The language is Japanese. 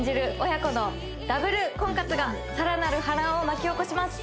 親子のダブル婚活が更なる波乱を巻き起こします